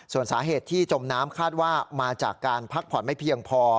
ส่วนสาเหตุที่จมน้ำคาดว่ามาจากการพักผ่อนไม่เพียงพอ